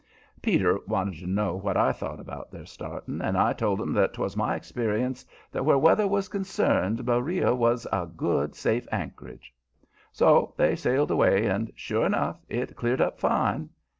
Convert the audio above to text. Peter wanted to know what I thought about their starting, and I told him that 'twas my experience that where weather was concerned Beriah was a good, safe anchorage. So they sailed away, and, sure enough, it cleared up fine.